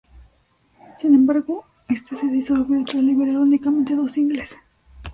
Sin embargo este se disolvió tras liberar, únicamente dos "singles".